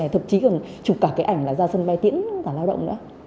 thậm chí còn chụp cả cái ảnh là ra sân bay tiễn cả lao động nữa